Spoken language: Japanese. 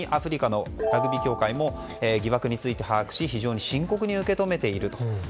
また、南アフリカのラグビー協会も疑惑について把握し非常に深刻に受け止めていると。